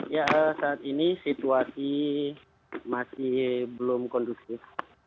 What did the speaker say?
ya saat ini situasi masih belum kondusif